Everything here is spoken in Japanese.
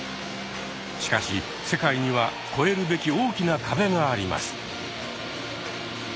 しかし世界には越えるべき大きな壁があります。